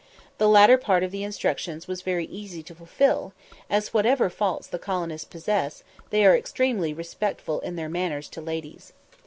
The latter part of the instructions was very easy to fulfil, as, whatever faults the colonists possess, they are extremely respectful in their manners to ladies.